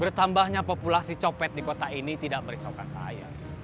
bertambahnya populasi copet di kota ini tidak merisaukan saya